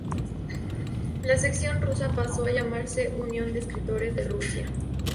La sección rusa pasó a llamarse "Unión de Escritores de Rusia".